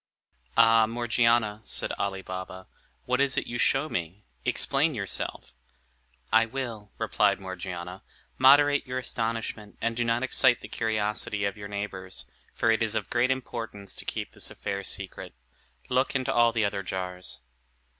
"Ah, Morgiana," said Ali Baba, "what is it you show me? Explain yourself." "I will," replied Morgiana. "Moderate your astonishment, and do not excite the curiosity of your neighbors; for it is of great importance to keep this affair secret. Look into all the other jars."